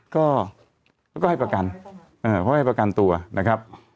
ก็เขาก็ให้ประกันเขาให้ประกันตัวนะครับ